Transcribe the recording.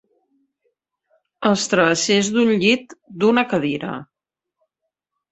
Els travessers d'un llit, d'una cadira.